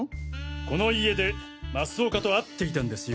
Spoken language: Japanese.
この家で増岡と会っていたんですよ。